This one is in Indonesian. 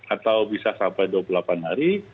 atau bisa sampai dua puluh delapan hari